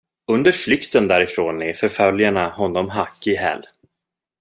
Under flykten därifrån är förföljarna honom hack i häl.